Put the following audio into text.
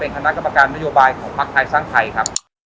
คณะกรรมการนโยบายของภักดิ์ไทยสร้างไทยครับ